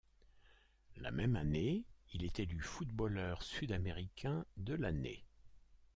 La même année, il est élu footballeur sud-américain de l'année.